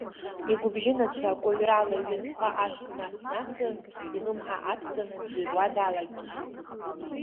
Игәыбжьынацәа акәаҩрала ҩынтәҟа ашә днас-насын, илымҳа адҵаны дӡырҩуа даагылеит.